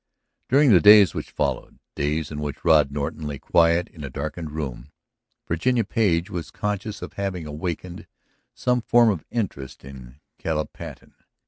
During the days which followed, days in which Rod Norton lay quiet in a darkened room, Virginia Page was conscious of having awakened some form of interest in Caleb Patten.